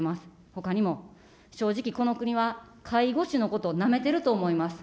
ほかにも、正直、この国は、介護士のことをなめてると思います。